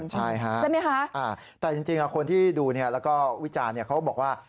ใช่ค่ะใช่ไหมคะแต่จริงคนที่ดูแล้วก็วิจารณ์เขาบอกว่า